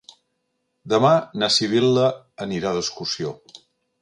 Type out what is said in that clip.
Demà na Sibil·la anirà d'excursió.